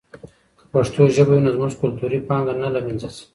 که پښتو ژبه وي نو زموږ کلتوري پانګه نه له منځه ځي.